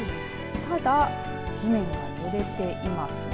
ただ地面がぬれていますね。